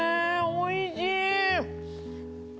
おいしい！